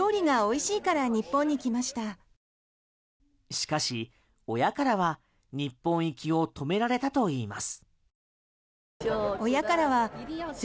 しかし親からは日本行きを止められたといいます。